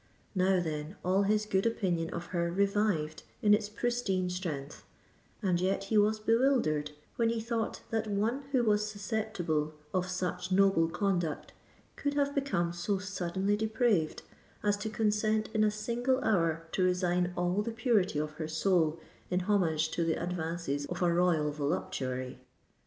Now, then, all his good opinion of her revived in its pristine strength;—and yet he was bewildered when he thought that one, who was susceptible of such noble conduct, could have become so suddenly depraved as to consent in a single hour to resign all the purity of her soul in homage to the advances of a royal voluptuary.